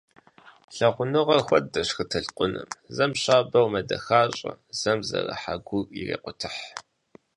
Лъагъуныгъэр хуэдэщ хы толъкъуным, зэм щабэу мэдэхащӏэ, зэм зэрыхьа гур ирекъутыхь.